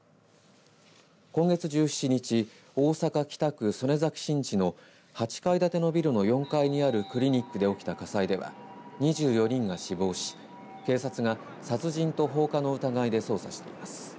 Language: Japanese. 今月１７日大阪、北区曽根崎新地の８階建てのビルの４階にあるクリニックで起きた火災では２４人が死亡し警察が殺人と放火の疑いで捜査しています。